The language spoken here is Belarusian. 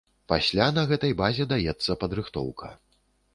Пасля на гэтай базе даецца падрыхтоўка.